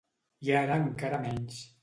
I ara encara menys.